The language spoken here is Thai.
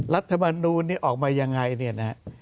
รัฐมนูลนี้ออกมายังไงเนี่ยนะฮะ